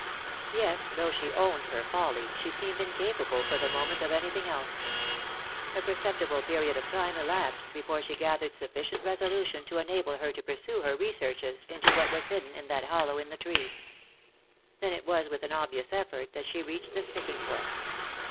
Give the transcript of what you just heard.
Yet, though she owned her folly, she seemed incapable, for the moment, of anything else, A per ceptible period of time elapsed before she gathered sufficient resolution to enable her to pursue her researches into what was hidden in that hollow in the tree. Then it was with an obvious effort that she reached the sticking point.